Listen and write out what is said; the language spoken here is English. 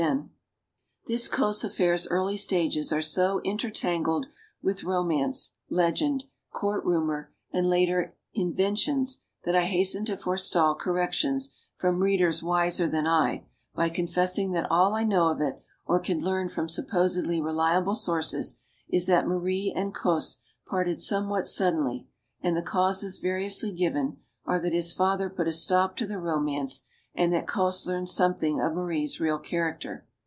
MADAME DU BARRY 181 This Cosse affair's early stages are so intertangled with romance, legend, court rumor, and later inven toins, that I hasten to forstall corrections, from readers wiser than I, by confessing that all I know of it, or can learn from supposedly reliable sources, is that Marie and Cosse parted somewhat suddenly; and the causes variously given are that his father put a stop to the romance and that Cosse learned something of Marie's real character.